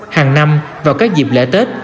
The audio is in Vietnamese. hàng năm vào các dịp lễ tết